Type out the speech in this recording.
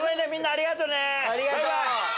ありがとう！